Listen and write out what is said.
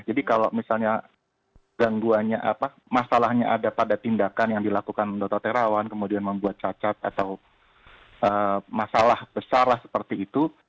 jadi kalau misalnya gangguannya apa masalahnya ada pada tindakan yang dilakukan dokter tarawan kemudian membuat cacat atau masalah besar lah seperti itu